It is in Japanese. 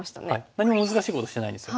何も難しいことしてないんですよ。